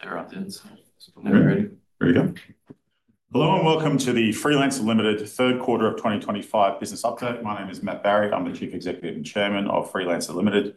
Here we go. Hello and welcome to the Freelancer Limited third quarter of 2025 business update. My name is Matt Barrie. I'm the Chief Executive and Chairman of Freelancer Limited.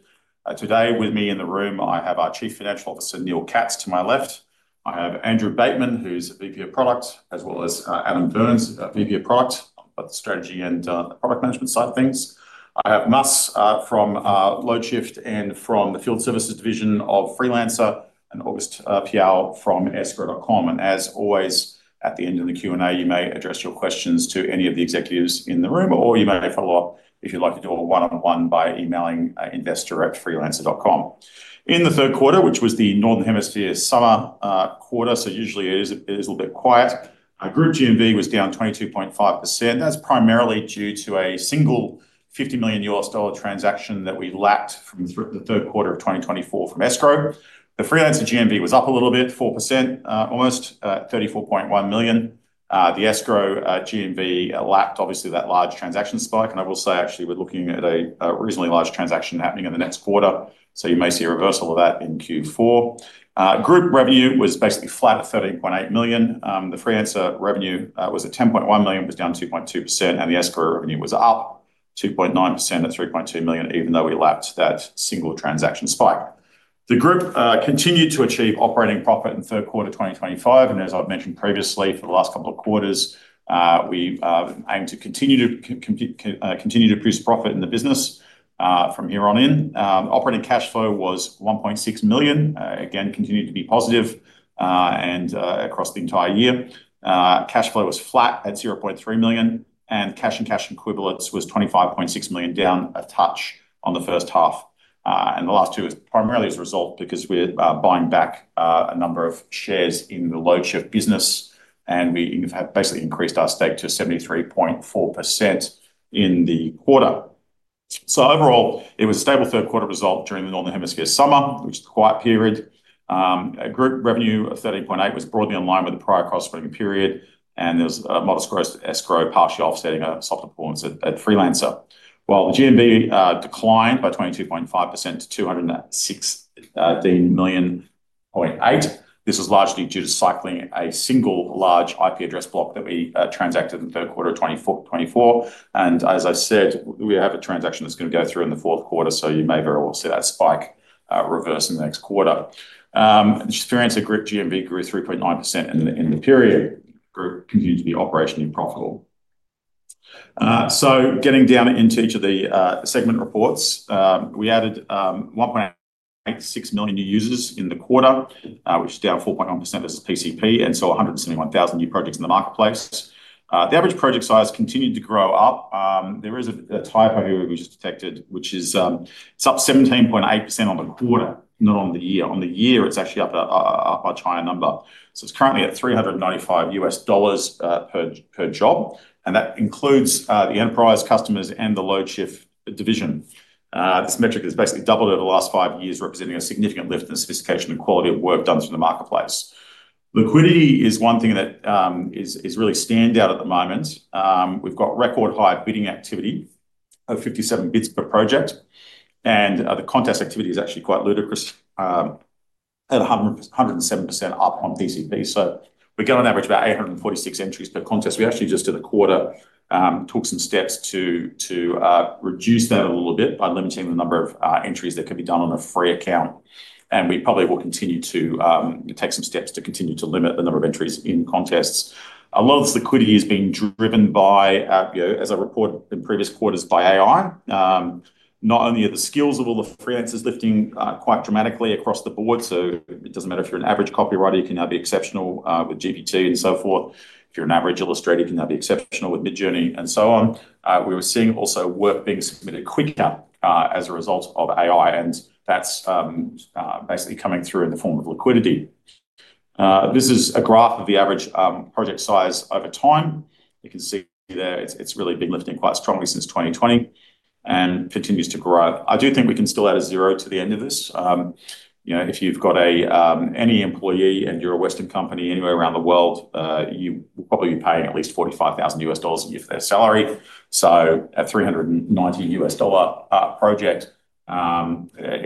Today, with me in the room, I have our Chief Financial Officer, Neil Katz, to my left. I have Andrew Bateman, who's a VP of Product, as well as Adam Byrnes, VP of Product, both the strategy and the product management side of things. I have Mas from Loadshift and from the Field Services Division of Freelancer, and August Piao from Escrow.com. As always, at the end of the Q&A, you may address your questions to any of the executives in the room, or you may follow up if you'd like to do a one-on-one by emailing investor@freelancer.com. In the third quarter, which was the Northern Hemisphere summer quarter, so usually it is a little bit quiet, our group GMV was down 22.5%. That's primarily due to a single $50 million transaction that we lacked from the third quarter of 2024 from Escrow.com. The Freelancer marketplace GMV was up a little bit, 4%, almost $34.1 million. The Escrow.com GMV lacked obviously that large transaction spike, and I will say actually we're looking at a reasonably large transaction happening in the next quarter, so you may see a reversal of that in Q4. Group revenue was basically flat at $13.8 million. The Freelancer revenue was at $10.1 million, was down 2.2%, and the Escrow.com revenue was up 2.9% at $3.2 million, even though we lacked that single transaction spike. The group continued to achieve operating profit in third quarter 2025, and as I've mentioned previously, for the last couple of quarters, we aim to continue to produce profit in the business from here on in. Operating cash flow was $1.6 million, again continued to be positive across the entire year. Cash flow was flat at $0.3 million, and cash and cash equivalents was $25.6 million, down a touch on the first half. The last two are primarily as a result because we're buying back a number of shares in the Loadshift business, and we have basically increased our stake to 73.4% in the quarter. Overall, it was a stable third quarter result during the Northern Hemisphere summer, which is a quiet period. Group revenue of $13.8 million was broadly in line with the prior cost spending period, and there was a modest growth to Escrow.com, partially offsetting a soft performance at Freelancer. While the GMV declined by 22.5% to $206.8 million, this was largely due to cycling a single large IP address block that we transacted in the third quarter of 2024. As I said, we have a transaction that's going to go through in the fourth quarter, so you may very well see that spike reverse in the next quarter. The Freelancer group GMV grew 3.9% in the period. Group continued to be operationally profitable. Getting down into each of the segment reports, we added 1.86 million new users in the quarter, which is down 4.1% versus PCP, and saw 171,000 new projects in the marketplace. The average project size continued to grow up. There is a typo here which is detected, which is it's up 17.8% on the quarter, not on the year. On the year, it's actually up a China number. It's currently at $395 per job, and that includes the enterprise customers and the Loadshift division. This metric has basically doubled over the last five years, representing a significant lift in sophistication and quality of work done through the marketplace. Liquidity is one thing that is really standout at the moment. We've got record high bidding activity of 57 bids per project, and the contest activity is actually quite ludicrous, at 107% up on PCP. We get on average about 846 entries per contest. We actually just, at the quarter, took some steps to reduce that a little bit by limiting the number of entries that can be done on a free account, and we probably will continue to take some steps to continue to limit the number of entries in contests. A lot of this liquidity is being driven by, as I reported in previous quarters, by AI. Not only are the skills of all the freelancers lifting quite dramatically across the board, it doesn't matter if you're an average copywriter, you can now be exceptional with GPT and so forth. If you're an average illustrator, you can now be exceptional with Midjourney and so on. We were seeing also work being submitted quicker as a result of AI, and that's basically coming through in the form of liquidity. This is a graph of the average project size over time. You can see there it's really been lifting quite strongly since 2020 and continues to grow. I do think we can still add a zero to the end of this. If you've got any employee and you're a Western company anywhere around the world, you will probably be paying at least $45,000 a year for their salary. A $390 project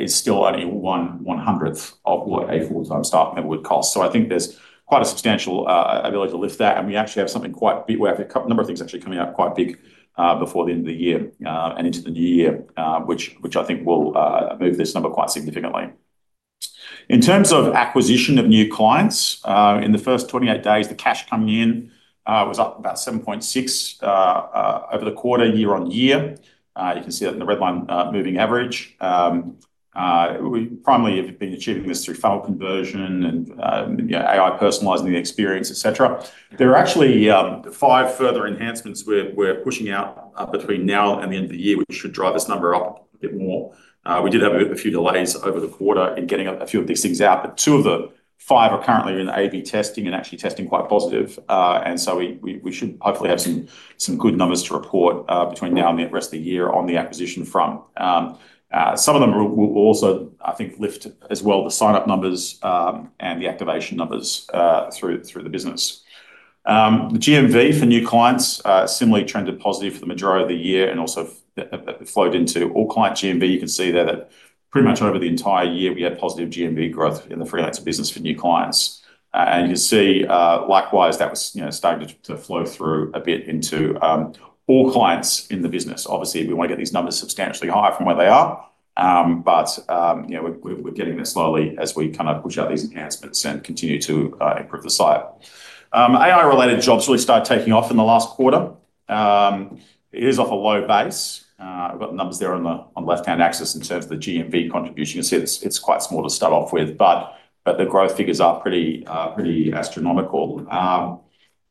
is still only one one-hundredth of what a full-time staff member would cost. I think there's quite a substantial ability to lift that, and we actually have something quite big. We have a number of things actually coming out quite big before the end of the year and into the new year, which I think will move this number quite significantly. In terms of acquisition of new clients, in the first 28 days, the cash coming in was up about 7.6% over the quarter, year-on-year. You can see that in the red line moving average. We primarily have been achieving this through funnel conversion and AI personalizing the experience, etc. There are actually five further enhancements we're pushing out between now and the end of the year, which should drive this number up a bit more. We did have a few delays over the quarter in getting a few of these things out, but two of the five are currently in A/B testing and actually testing quite positive. We should hopefully have some good numbers to report between now and the rest of the year on the acquisition front. Some of them will also, I think, lift as well the sign-up numbers and the activation numbers through the business. The GMV for new clients similarly trended positive for the majority of the year and also flowed into all client GMV. You can see there that pretty much over the entire year we had positive GMV growth in the Freelancer marketplace for new clients. You can see likewise that was starting to flow through a bit into all clients in the business. Obviously, we want to get these numbers substantially higher from where they are, but we're getting there slowly as we kind of push out these enhancements and continue to improve the site. AI-related jobs really started taking off in the last quarter. It is off a low base. I've got the numbers there on the left-hand axis in terms of the GMV contribution. You can see it's quite small to start off with, but the growth figures are pretty astronomical.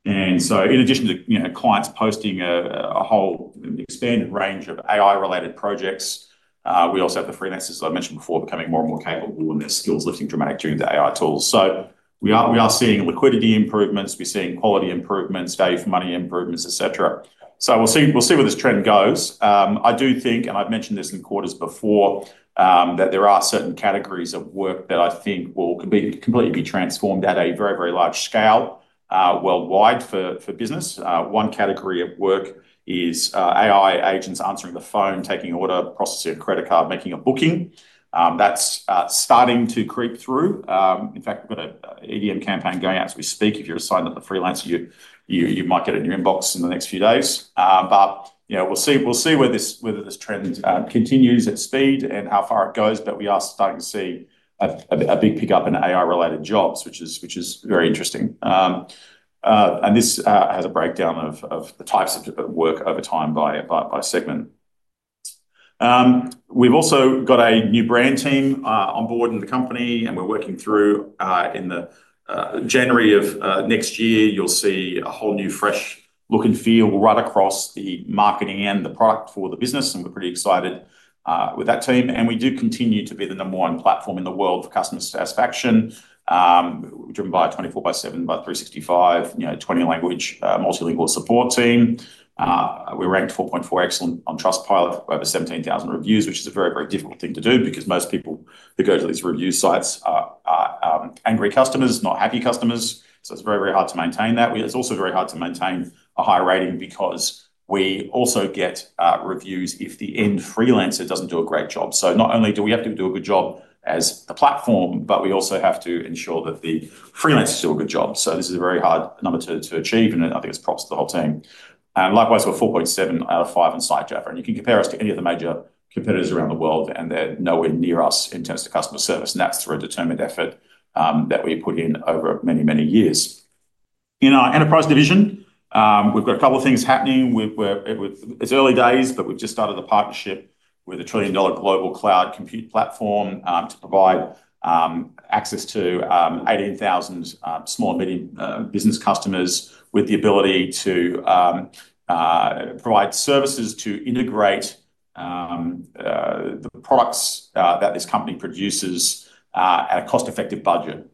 In addition to clients posting a whole expanded range of AI-related projects, we also have the freelancers, as I mentioned before, becoming more and more capable and their skills lifting dramatically during the AI tools. We are seeing liquidity improvements, we're seeing quality improvements, value for money improvements, etc. We'll see where this trend goes. I do think, and I've mentioned this in quarters before, that there are certain categories of work that I think will completely be transformed at a very, very large scale worldwide for business. One category of work is AI agents answering the phone, taking order, processing a credit card, making a booking. That's starting to creep through. In fact, we've got an EDM campaign going out as we speak. If you're a sign that the Freelancer, you might get a new inbox in the next few days. We'll see where this trend continues at speed and how far it goes, but we are starting to see a big pickup in AI-related jobs, which is very interesting. This has a breakdown of the types of work over time by segment. We've also got a new brand team on board in the company, and we're working through in the January of next year, you'll see a whole new fresh look and feel right across the marketing and the product for the business. We're pretty excited with that team. We do continue to be the number one platform in the world for customer satisfaction, driven by a 24 by 7 by 365, 20 language multilingual support team. We ranked 4.4 excellent on Trustpilot with over 17,000 reviews, which is a very, very difficult thing to do because most people who go to these review sites are angry customers, not happy customers. It's very, very hard to maintain that. It's also very hard to maintain a high rating because we also get reviews if the end freelancer doesn't do a great job. Not only do we have to do a good job as the platform, but we also have to ensure that the freelancers do a good job. This is a very hard number to achieve, and I think it's props to the whole team. Likewise, we're 4.7 out of 5 in SiteJava. You can compare us to any of the major competitors around the world, and they're nowhere near us in terms of customer service. That's through a determined effort that we put in over many, many years. In our enterprise division, we've got a couple of things happening. It's early days, but we've just started a partnership with a trillion-dollar global cloud compute platform to provide access to 18,000 small and medium business customers with the ability to provide services to integrate the products that this company produces at a cost-effective budget.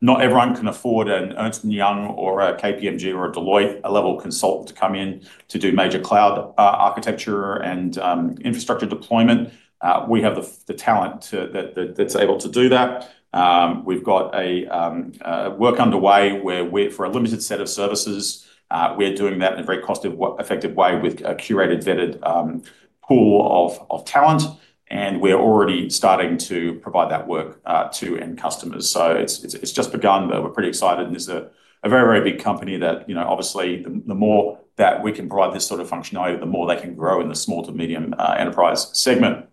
Not everyone can afford an Ernst & Young or a KPMG or a Deloitte-level consultant to come in to do major cloud architecture and infrastructure deployment. We have the talent that's able to do that. We've got work underway where for a limited set of services, we're doing that in a very cost-effective way with a curated, vetted pool of talent. We're already starting to provide that work to end customers. It's just begun, but we're pretty excited. It's a very, very big company that, obviously, the more that we can provide this sort of functionality, the more they can grow in the small to medium enterprise segment.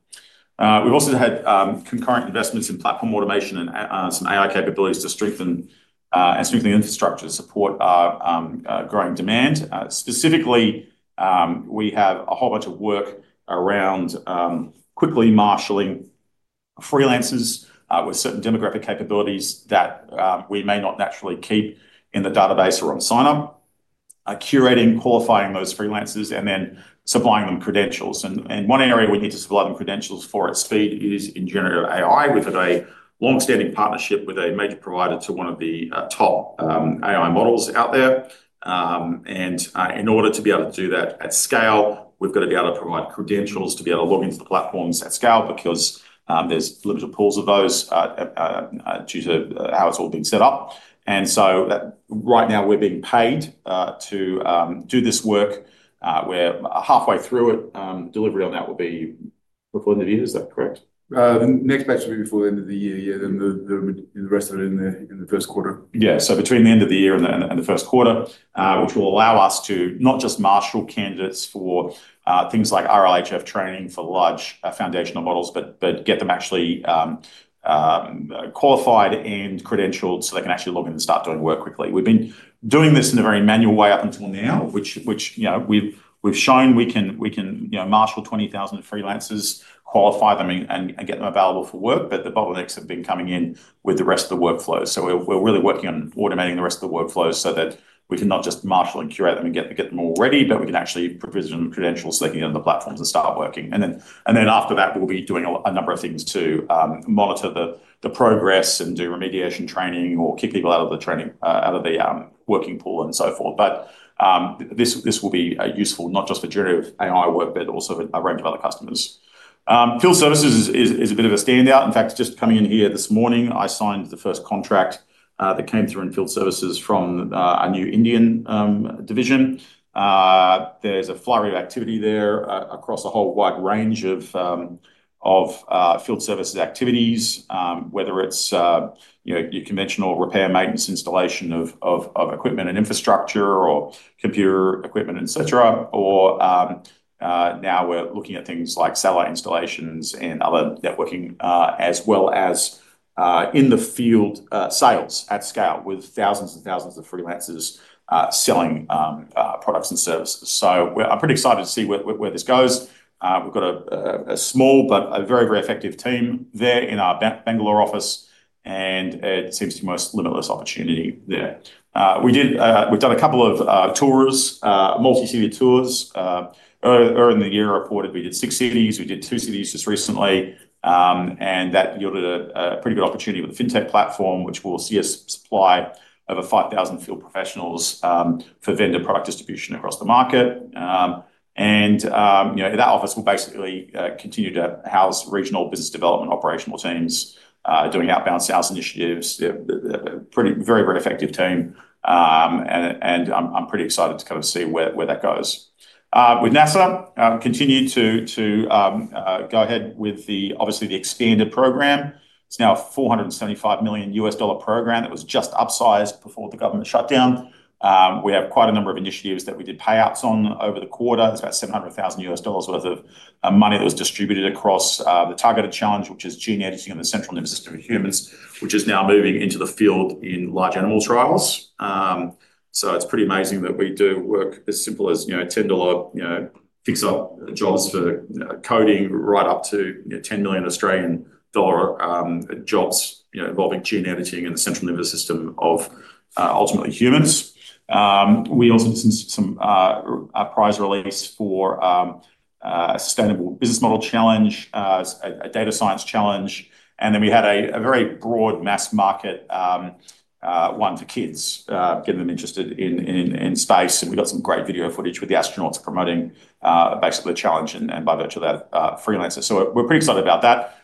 We've also had concurrent investments in platform automation and some AI capabilities to strengthen the infrastructure to support our growing demand. Specifically, we have a whole bunch of work around quickly marshaling freelancers with certain demographic capabilities that we may not naturally keep in the database or on sign-up, curating, qualifying those freelancers, and then supplying them credentials. One area we need to supply them credentials for at speed is in generative AI. We've got a longstanding partnership with a major provider to one of the top AI models out there. In order to be able to do that at scale, we've got to be able to provide credentials to be able to log into the platforms at scale because there's limited pools of those due to how it's all being set up. Right now we're being paid to do this work. We're halfway through it. Delivery on that will be before the end of the year, is that correct? The next batch will be before the end of the year, then the rest of it in the first quarter. Yeah, so between the end of the year and the first quarter, which will allow us to not just marshal candidates for things like RLHF training for large foundational models, but get them actually qualified and credentialed so they can actually log in and start doing work quickly. We've been doing this in a very manual way up until now, which we've shown we can marshal 20,000 freelancers, qualify them, and get them available for work, but the bottlenecks have been coming in with the rest of the workflow. We're really working on automating the rest of the workflow so that we can not just marshal and curate them and get them all ready, but we can actually provision them credentials so they can get on the platforms and start working. After that, we'll be doing a number of things to monitor the progress and do remediation training or kick people out of the training, out of the working pool, and so forth. This will be useful not just for generative AI work, but also a range of other customers. Field services is a bit of a standout. In fact, just coming in here this morning, I signed the first contract that came through in field services from our new Indian division. There's a flurry of activity there across a whole wide range of field services activities, whether it's your conventional repair, maintenance, installation of equipment and infrastructure, or computer equipment, etc. Now we're looking at things like satellite installations and other networking, as well as in-the-field sales at scale with thousands and thousands of freelancers selling products and services. I'm pretty excited to see where this goes. We've got a small but very, very effective team there in our Bangalore office, and it seems to be the most limitless opportunity there. We've done a couple of tours, multi-city tours. Earlier in the year, I reported we did six cities. We did two cities just recently, and that yielded a pretty good opportunity with the FinTech platform, which will see us supply over 5,000 field professionals for vendor product distribution across the market. That office will basically continue to house regional business development operational teams doing outbound sales initiatives. They're a pretty, very, very effective team, and I'm pretty excited to kind of see where that goes. With NASA, we continue to go ahead with the, obviously, the expanded program. It's now a $475 million program that was just upsized before the government shutdown. We have quite a number of initiatives that we did payouts on over the quarter. It's about $700,000 worth of money that was distributed across the targeted challenge, which is gene editing in the central nervous system of humans, which is now moving into the field in large animal trials. It's pretty amazing that we do work as simple as $10 fix-up jobs for coding right up to 10 million Australian dollar involving gene editing in the central nervous system of ultimately humans. We also did some prize release for a sustainable business model challenge, a data science challenge, and we had a very broad mass market one for kids, getting them interested in space. We got some great video footage with the astronauts promoting basically a challenge by virtue of that Freelancer. We're pretty excited about that.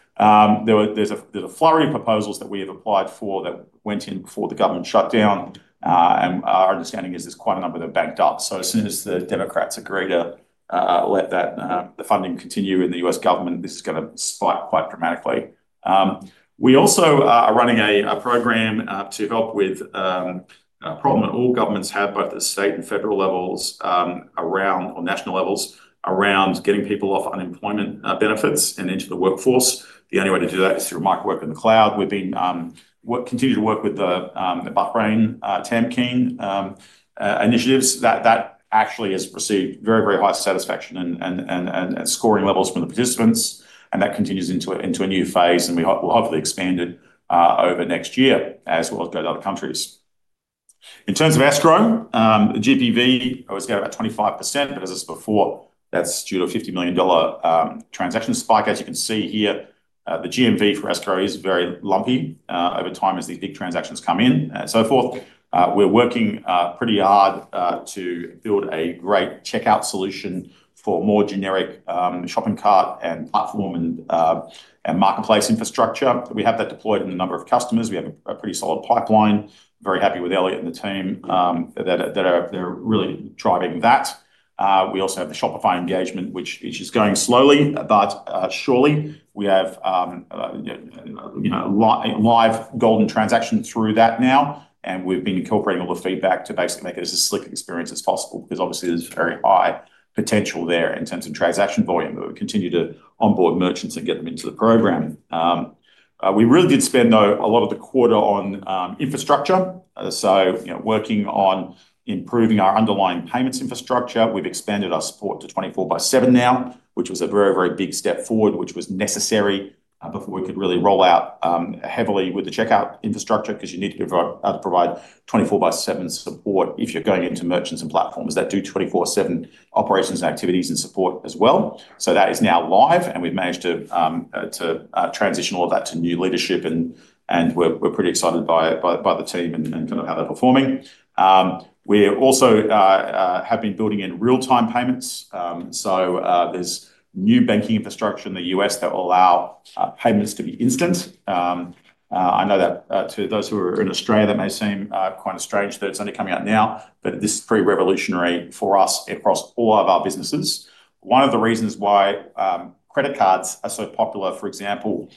There's a flurry of proposals that we have applied for that went in before the government shutdown, and our understanding is there's quite a number that banked up. As soon as the Democrats agree to let the funding continue in the U.S. government, this is going to spike quite dramatically. We also are running a program to help with a problem that all governments have, both at the state and federal levels, or national levels, around getting people off unemployment benefits and into the workforce. The only way to do that is through remote work in the cloud. We've been working to work with the Bahrain TAMKIN initiatives. That actually has received very, very high satisfaction and scoring levels from the participants, and that continues into a new phase, and we will hopefully expand it over next year as well as go to other countries. In terms of Escrow.com, the GPV always got about 25%, but as I said before, that's due to a $50 million transaction spike. As you can see here, the GMV for Escrow is very lumpy over time as these big transactions come in and so forth. We're working pretty hard to build a great checkout solution for more generic shopping cart and platform and marketplace infrastructure. We have that deployed in a number of customers. We have a pretty solid pipeline. Very happy with Elliot and the team that are really driving that. We also have the Shopify engagement, which is going slowly, but surely. We have a live golden transaction through that now, and we've been incorporating all the feedback to basically make it as a slick experience as possible because obviously there's very high potential there in terms of transaction volume. We continue to onboard merchants and get them into the program. We really did spend a lot of the quarter on infrastructure, working on improving our underlying payments infrastructure. We've expanded our support to 24 by 7 now, which was a very, very big step forward, which was necessary before we could really roll out heavily with the checkout infrastructure because you need to be able to provide 24 by 7 support if you're going into merchants and platforms that do 24/7 operations and activities and support as well. That is now live, and we've managed to transition all of that to new leadership, and we're pretty excited by the team and how they're performing. We also have been building in real-time payments, so there's new banking infrastructure in the U.S. that will allow payments to be instant. I know that to those who are in Australia, that may seem quite strange that it's only coming out now, but this is pretty revolutionary for us across all of our businesses. One of the reasons why credit cards are so popular, for example,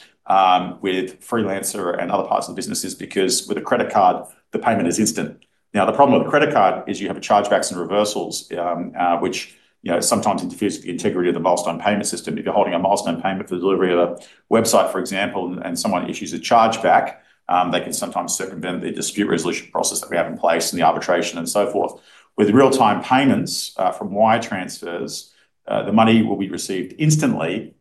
with Freelancer and other parts of the business is because with a credit card, the payment is instant. Now, the problem with a credit card is you have a chargeback and reversals, which sometimes interferes with the integrity of the milestone payment system. If you're holding a milestone payment for the delivery of a website, for example, and someone issues a chargeback, they can sometimes circumvent the dispute resolution process that we have in place and the arbitration and so forth. With real-time payments from wire transfers, the money will be received instantly,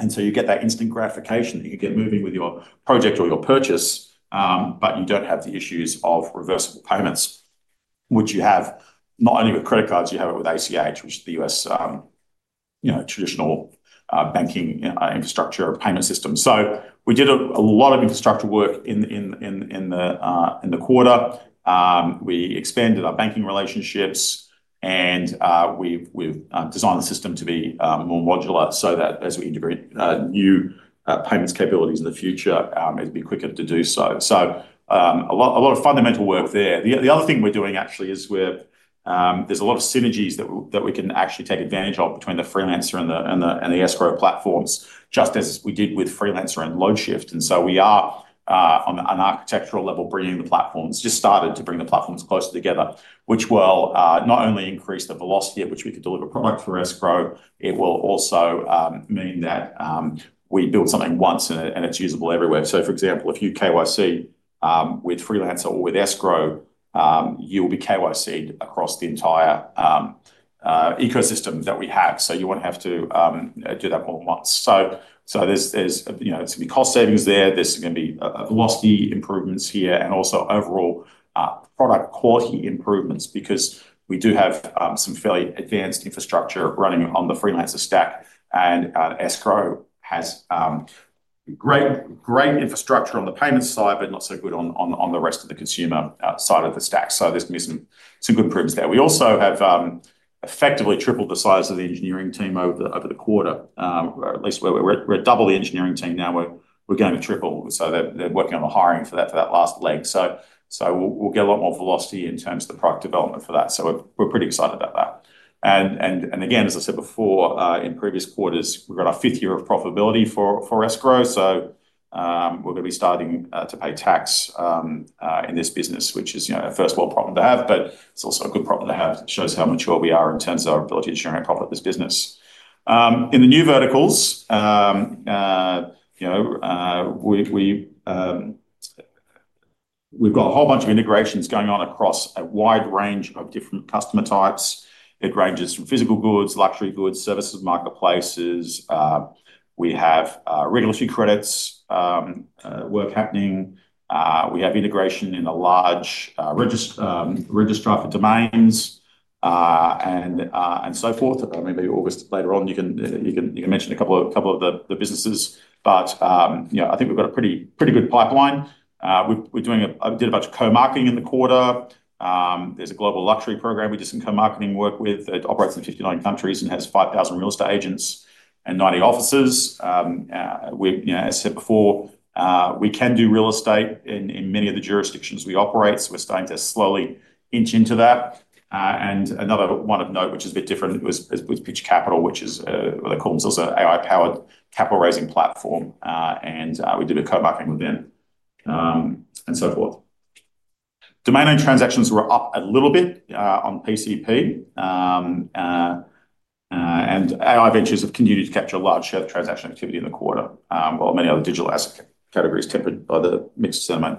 and you get that instant gratification that you can get moving with your project or your purchase, but you don't have the issues of reversible payments, which you have not only with credit cards, you have it with ACH, which is the U.S. traditional banking infrastructure payment system. We did a lot of infrastructure work in the quarter. We expanded our banking relationships, and we've designed the system to be more modular so that as we integrate new payments capabilities in the future, it'd be quicker to do so. A lot of fundamental work there. The other thing we're doing actually is there's a lot of synergies that we can actually take advantage of between the Freelancer and the Escrow.com platforms, just as we did with Freelancer and Loadshift. We are, on an architectural level, bringing the platforms, just started to bring the platforms closer together, which will not only increase the velocity at which we could deliver product for Escrow.com, it will also mean that we build something once and it's usable everywhere. For example, if you KYC with Freelancer or with Escrow.com, you'll be KYC'd across the entire ecosystem that we have. You won't have to do that more than once. There's going to be cost savings there, there's going to be velocity improvements here, and also overall product quality improvements because we do have some fairly advanced infrastructure running on the Freelancer stack, and Escrow.com has great infrastructure on the payment side, but not so good on the rest of the consumer side of the stack. There's going to be some good improvements there. We also have effectively tripled the size of the engineering team over the quarter, at least we're at double the engineering team now. We're going to triple, they're working on the hiring for that last leg. We'll get a lot more velocity in terms of the product development for that. We're pretty excited about that. As I said before, in previous quarters, we've got our fifth year of profitability for Escrow.com, so we're going to be starting to pay tax in this business, which is a first-world problem to have, but it's also a good problem to have. It shows how mature we are in terms of our ability to generate profit in this business. In the new verticals, we've got a whole bunch of integrations going on across a wide range of different customer types. It ranges from physical goods, luxury goods, services, marketplaces. We have regulatory credits work happening. We have integration in a large registrar for domains and so forth. Maybe August later on, you can mention a couple of the businesses, but I think we've got a pretty good pipeline. We did a bunch of co-marketing in the quarter. There's a global luxury program we did some co-marketing work with that operates in 59 countries and has 5,000 real estate agents and 90 offices. As I said before, we can do real estate in many of the jurisdictions we operate, so we're starting to slowly inch into that. Another one of note, which is a bit different, was with Pitch Capital, which is what they call themselves, an AI-powered capital raising platform, and we did a co-marketing with them and so forth. Domain-owned transactions were up a little bit on PCP, and AI ventures have continued to capture a large share of transaction activity in the quarter, while many other digital asset categories are tempered by the mixed sentiment.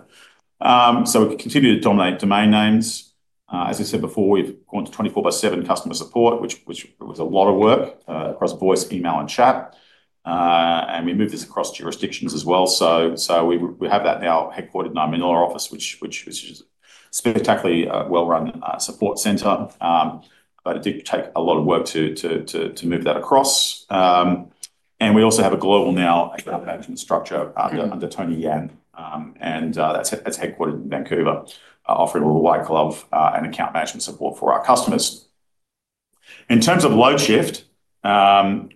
We continue to dominate domain names. As I said before, we've gone to 24 by 7 customer support, which was a lot of work across voice, email, and chat, and we moved this across jurisdictions as well. We have that now headquartered in our Manila office, which is a spectacularly well-run support center, but it did take a lot of work to move that across. We also have a global now account management structure under Tony Yan, and that's headquartered in Vancouver, offering a little white glove and account management support for our customers. In terms of Loadshift, the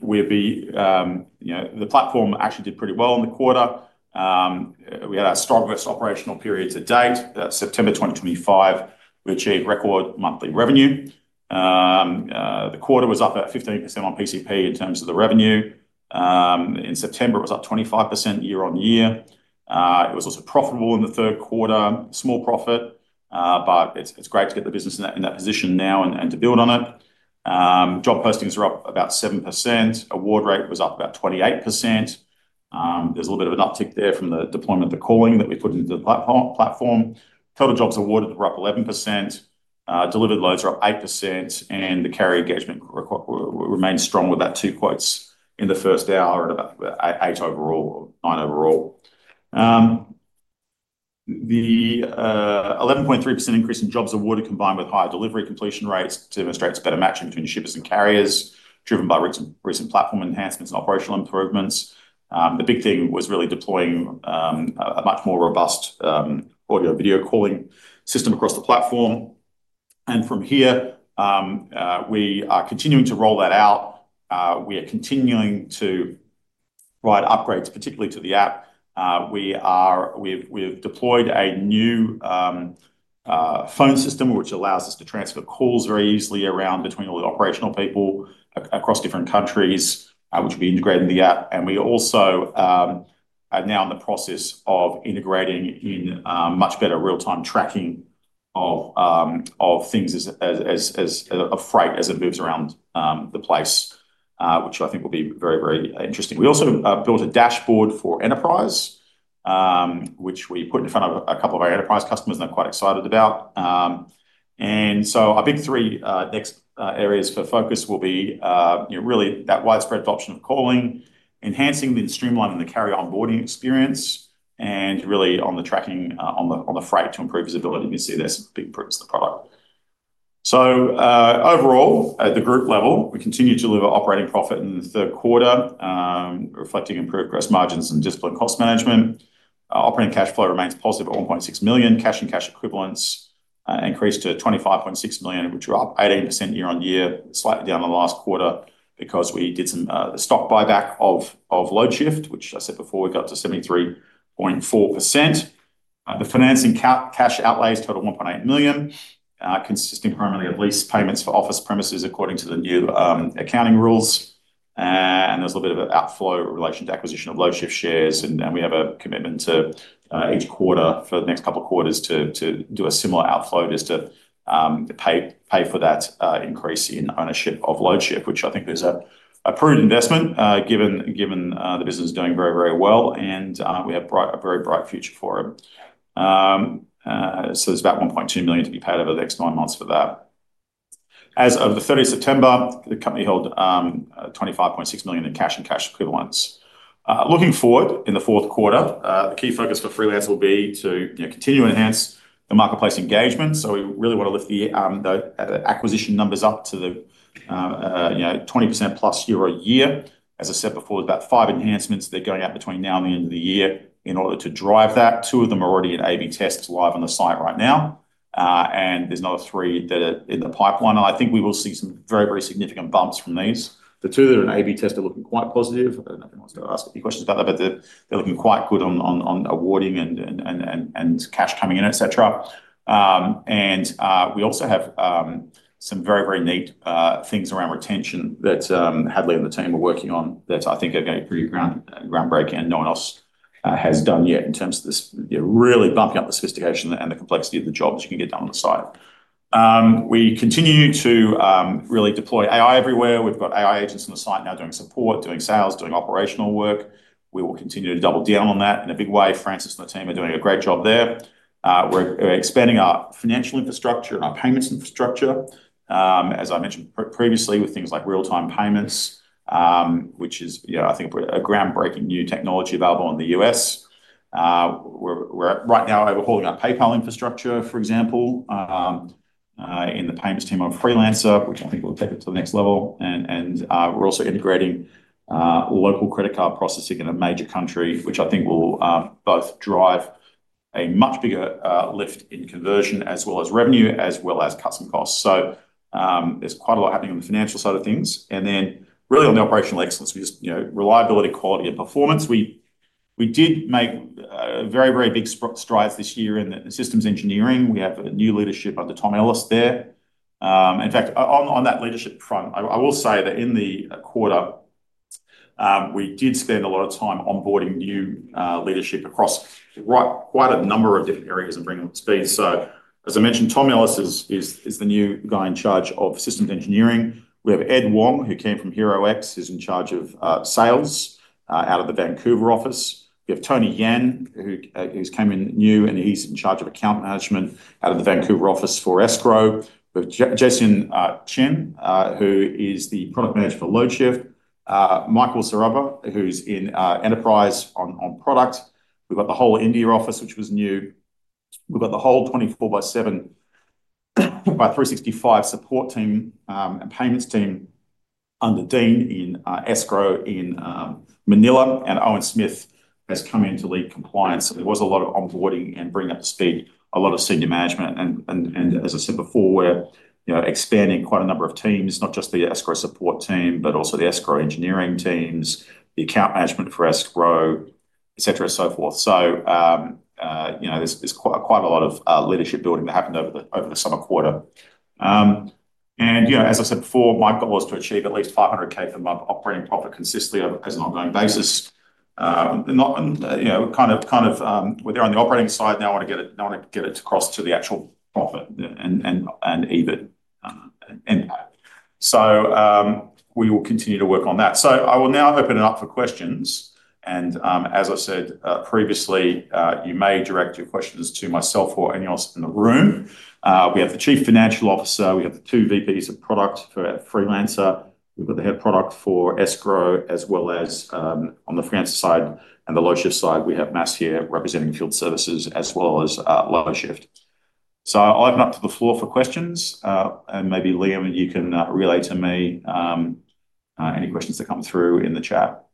platform actually did pretty well in the quarter. We had our strongest operational period to date, September 2025. We achieved record monthly revenue. The quarter was up at 15% on PCP in terms of the revenue. In September, it was up 25% year-on-year. It was also profitable in the third quarter, small profit, but it's great to get the business in that position now and to build on it. Job postings are up about 7%. Award rate was up about 28%. There's a little bit of an uptick there from the deployment of the calling that we put into the platform. Total jobs awarded were up 11%. Delivered loads were up 8%, and the carrier engagement remained strong with about two quotes in the first hour and about eight overall or nine overall. The 11.3% increase in jobs awarded combined with higher delivery completion rates demonstrates better matching between shippers and carriers, driven by recent platform enhancements and operational improvements. The big thing was really deploying a much more robust audio-video calling system across the platform. From here, we are continuing to roll that out. We are continuing to provide upgrades, particularly to the app. We have deployed a new phone system, which allows us to transfer calls very easily around between all the operational people across different countries, which will be integrated in the app. We also are now in the process of integrating in much better real-time tracking of things as freight as it moves around the place, which I think will be very, very interesting. We also built a dashboard for enterprise, which we put in front of a couple of our enterprise customers and are quite excited about. Our big three next areas for focus will be really that widespread adoption of calling, enhancing and streamlining the carrier onboarding experience, and really on the tracking on the freight to improve visibility. You see these big improvements to the product. Overall, at the group level, we continue to deliver operating profit in the third quarter, reflecting improved gross margins and disciplined cost management. Operating cash flow remains positive at $1.6 million. Cash and cash equivalents increased to $25.6 million, which are up 18% year-on-year, slightly down in the last quarter because we did some stock buyback of Loadshift, which I said before we got up to 73.4%. The financing cash outlay is total $1.8 million, consisting primarily of lease payments for office premises according to the new accounting rules. There is a little bit of an outflow in relation to acquisition of Loadshift shares, and we have a commitment to each quarter for the next couple of quarters to do a similar outflow just to pay for that increase in ownership of Loadshift, which I think is a prudent investment given the business is doing very, very well, and we have a very bright future for it. There is about $1.2 million to be paid over the next nine months for that. As of the 30th of September, the company held $25.6 million in cash and cash equivalents. Looking forward in the fourth quarter, the key focus for Freelancer will be to continue to enhance the marketplace engagement. We really want to lift the acquisition numbers up to the 20%+ year-over-year. As I said before, there are about five enhancements that are going out between now and the end of the year in order to drive that. Two of them are already in A/B tests live on the site right now, and there are another three that are in the pipeline. I think we will see some very, very significant bumps from these. The two that are in A/B tests are looking quite positive. I don't know if anyone wants to ask any questions about that, but they're looking quite good on awarding and cash coming in, etc. We also have some very, very neat things around retention that Hadley and the team are working on that I think are going to be pretty groundbreaking and no one else has done yet in terms of this really bumping up the sophistication and the complexity of the jobs you can get done on the site. We continue to really deploy AI everywhere. We've got AI agents on the site now doing support, doing sales, doing operational work. We will continue to double down on that in a big way. Francis and the team are doing a great job there. We're expanding our financial infrastructure and our payments infrastructure, as I mentioned previously, with things like real-time payments, which is, you know, I think a groundbreaking new technology available in the U.S. We're right now overhauling our PayPal infrastructure, for example, in the payments team on Freelancer, which I think will take it to the next level. We're also integrating local credit card processing in a major country, which I think will both drive a much bigger lift in conversion as well as revenue, as well as custom costs. There is quite a lot happening on the financial side of things. Really on the operational excellence, we just, you know, reliability, quality, and performance. We did make very, very big strides this year in the systems engineering. We have new leadership under Tom Ellis there. In fact, on that leadership front, I will say that in the quarter, we did spend a lot of time onboarding new leadership across quite a number of different areas and bringing them to speed. As I mentioned, Tom Ellis is the new guy in charge of systems engineering. We have Ed Wong, who came from HeroX, who's in charge of sales out of the Vancouver office. We have Tony Yan, who's come in new, and he's in charge of account management out of the Vancouver office for Escrow.com. We have Jason Chen, who is the product manager for Loadshift. Michael Saraba, who's in enterprise on product. We've got the whole India office, which was new. We've got the whole 24 by 7 by 365 support team and payments team under Dean in Escrow in Manila, and Owen Smith has come in to lead compliance. There was a lot of onboarding and bringing up to speed a lot of senior management. As I said before, we're expanding quite a number of teams, not just the Escrow support team, but also the Escrow engineering teams, the account management for Escrow, etc. and so forth. There is quite a lot of leadership building that happened over the summer quarter. As I said before, my goal is to achieve at least $500,000 per month operating profit consistently on an ongoing basis. We are there on the operating side now. I want to get it across to the actual profit and EBIT impact. We will continue to work on that. I will now open it up for questions. As I've said previously, you may direct your questions to myself or anyone else in the room. We have the Chief Financial Officer. We have the two VPs of Product for Freelancer. We've got the Head of Product for Escrow, as well as on the Freelancer side and the Loadshift side, we have Matt here representing Field Services as well as Loadshift. I open up to the floor for questions, and maybe Liam, you can relay to me any questions that come through in the chat.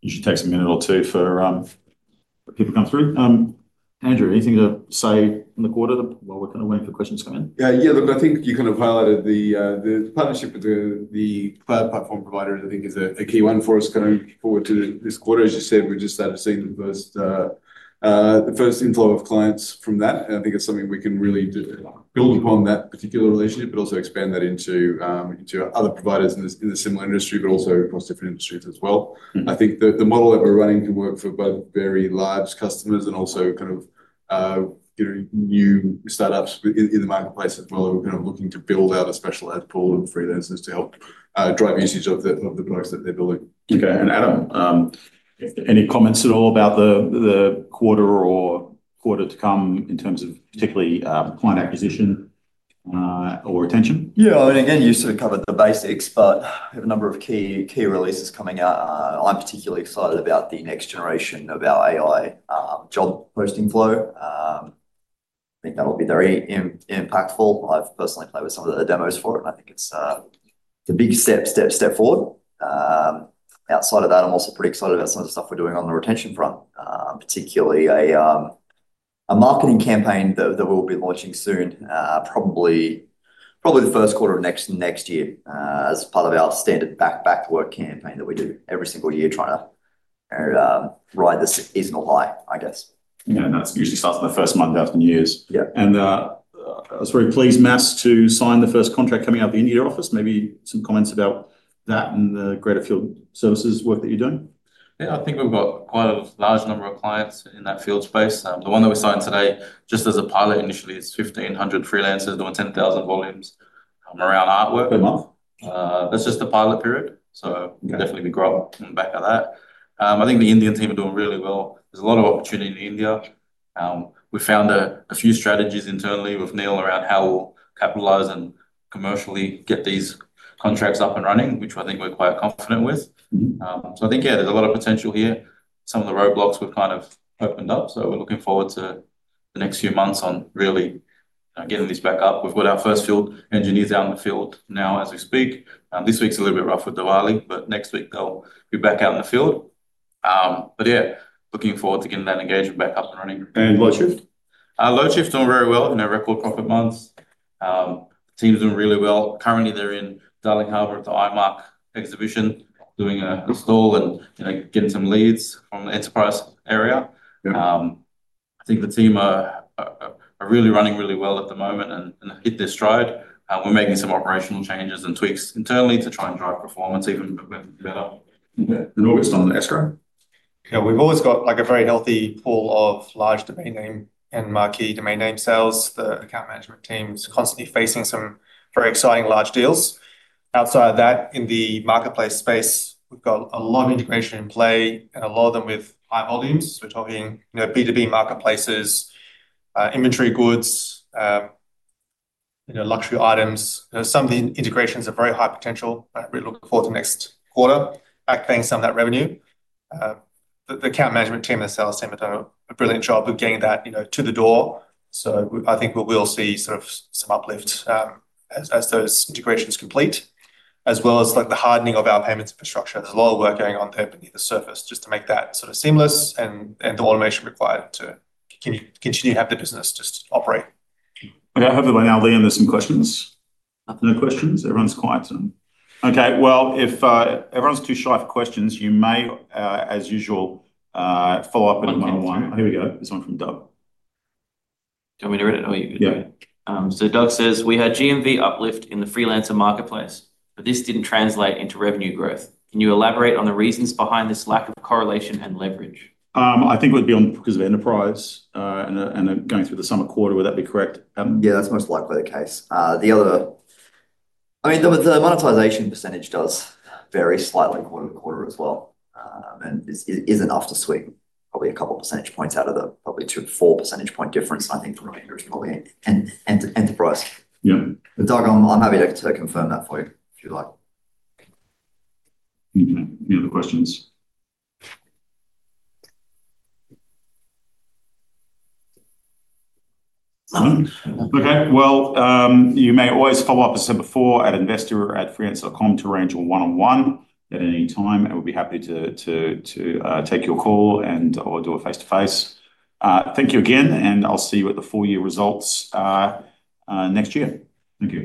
You should take a minute or two for people to come through. Andrew, anything to say in the quarter while we're kind of waiting for questions to come in? Yeah, look, I think you kind of highlighted the partnership with the cloud platform providers. I think it is a key one for us. Looking forward to this quarter, as you said, we just started seeing the first inflow of clients from that. I think it's something we can really build upon, that particular relationship, but also expand that into other providers in a similar industry, and also across different industries as well. I think the model that we're running can work for both very large customers and also new startups in the marketplace as well. We're looking to build out a special ad pool of freelancers to help drive usage of the products that they're building. Okay. Adam, any comments at all about the quarter or quarter to come in terms of particularly client acquisition or retention? Yeah, I mean, again, you sort of covered the basics, but we have a number of key releases coming out. I'm particularly excited about the next generation of our AI job posting flow. I think that'll be very impactful. I've personally played with some of the demos for it, and I think it's a big step forward. Outside of that, I'm also pretty excited about some of the stuff we're doing on the retention front, particularly a marketing campaign that we'll be launching soon, probably the first quarter of next year as part of our standard back-to-work campaign that we do every single year, trying to ride this seasonal high, I guess. Yeah, that usually starts in the first month after New Year's. I was very pleased, Matt, to sign the first contract coming out of the India office. Maybe some comments about that and the greater Field Services work that you're doing? Yeah, I think we've got quite a large number of clients in that field space. The one that we signed today, just as a pilot initially, it's 1,500 freelancers doing 10,000 volumes around artwork. Per month? That's just the pilot period. We definitely grow up in the back of that. I think the Indian team are doing really well. There's a lot of opportunity in India. We found a few strategies internally with Neil around how we'll capitalize and commercially get these contracts up and running, which I think we're quite confident with. I think, yeah, there's a lot of potential here. Some of the roadblocks we've kind of opened up. We're looking forward to the next few months on really getting this back up. We've got our first field engineers out in the field now as we speak. This week's a little bit rough with Diwali, but next week they'll be back out in the field. Looking forward to getting that engagement back up and running. And LoadShift? Loadshift doing very well in their record profit months. The team's doing really well. Currently, they're in Darling Harbour at the IMARC exhibition doing a stall and getting some leads from the enterprise area. I think the team are really running really well at the moment and hit their stride. We're making some operational changes and tweaks internally to try and drive performance even better. August on Escrow? Yeah, we've always got a very healthy pool of large domain name and marquee domain name sales. The account management team is constantly facing some very exciting large deals. Outside of that, in the marketplace space, we've got a lot of integration in play and a lot of them with high volumes. We're talking B2B marketplaces, inventory goods, luxury items. Some of the integrations have very high potential. We're looking forward to the next quarter back paying some of that revenue. The account management team and the sales team have done a brilliant job of getting that to the door. I think we will see some uplift as those integrations complete, as well as the hardening of our payments infrastructure. There's a lot of work going on there beneath the surface just to make that sort of seamless and the automation required to continue to have the business just operate. We don't have the way now. Liam, there's some questions. No questions? Everyone's quiet. If everyone's too shy for questions, you may, as usual, follow up with another one. Here we go. This one from Doug. Do you want me to read it or are you going to do it? Yeah. Doug says, we had GMV uplift in the Freelancer marketplace, but this didn't translate into revenue growth. Can you elaborate on the reasons behind this lack of correlation and leverage? I think it would be on because of enterprise and going through the summer quarter. Would that be correct? Yeah, that's most likely the case. The other, I mean, the monetization percentage does vary slightly quarter to quarter as well. It is enough to sweep probably a couple of percentage points out of the probably 2%-4% difference, I think, from a revenue perspective and enterprise. Yeah. Doug, I'm happy to confirm that for you if you'd like. Okay. Any other questions? None? You may always follow up, as I said before, at investor@freelancer.com to arrange a one-on-one at any time. We'll be happy to take your call or do a face-to-face. Thank you again, and I'll see you at the four-year results next year. Thank you.